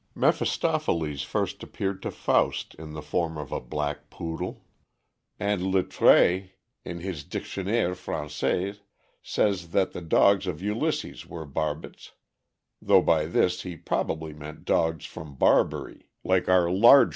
Mephistopheles first appeared to Faust in the form of a black Poodle, and Littre, in his Dictionnaire Frangaise, says that the dogs of Ulysses were Barbets, though by this lie probably meant dogs from Barbary, like our large (615) 616 THE AMERICAN BOOK OF THE DOG.